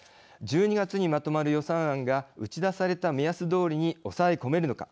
１２月にまとまる予算案が打ち出された目安どおりに抑え込めるのか。